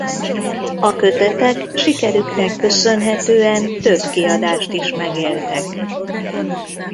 A kötetek sikerüknek köszönhetően több kiadást is megéltek.